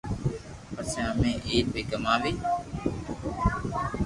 پسي امي عيد پي ڪماوي